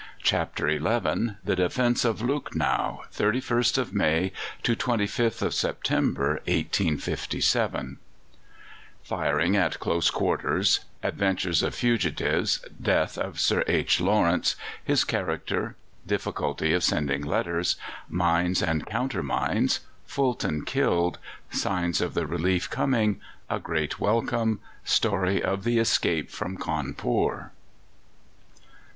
CHAPTER XI THE DEFENCE OF LUCKNOW (31ST OF MAY TO 25TH OF SEPTEMBER, 1857) Firing at close quarters Adventures of fugitives Death of Sir H. Lawrence His character Difficulty of sending letters Mines and counter mines Fulton killed Signs of the relief coming A great welcome Story of the escape from Cawnpore.